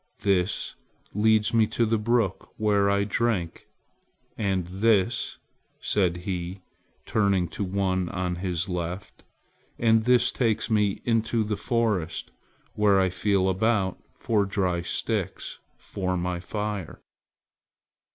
"This leads me to the brook where I drink! and this," said he, turning to the one on his left, "and this takes me into the forest, where I feel about for dry sticks for my fire."